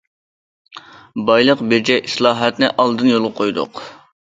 بايلىق بېجى ئىسلاھاتىنى ئالدىن يولغا قويدۇق.